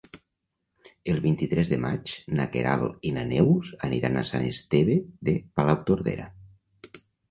El vint-i-tres de maig na Queralt i na Neus aniran a Sant Esteve de Palautordera.